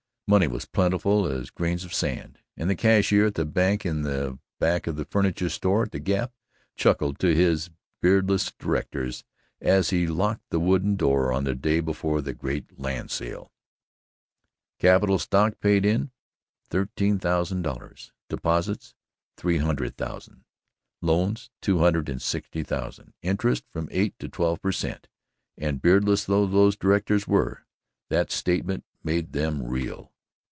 Money was plentiful as grains of sand, and the cashier of the bank in the back of the furniture store at the Gap chuckled to his beardless directors as he locked the wooden door on the day before the great land sale: "Capital stock paid in thirteen thousand dollars; "Deposits three hundred thousand; "Loans two hundred and sixty thousand interest from eight to twelve per cent." And, beardless though those directors were, that statement made them reel.